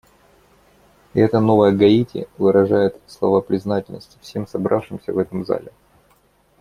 И эта новая Гаити выражает слова признательности всем собравшимся в этом зале.